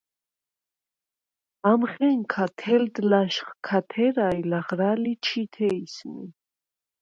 ამხენქა თელდ ლა̄შხ ქა თერა ი ლაღრა̄ლი̄ ჩი̄თე ისმი.